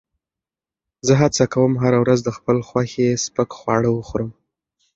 زه هڅه کوم هره ورځ د خپل خوښې سپک خواړه وخورم.